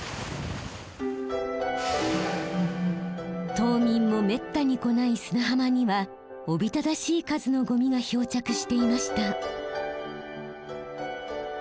島民もめったに来ない砂浜にはおびただしい数のゴミが漂着していました。